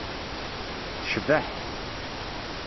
Tecbeḥ.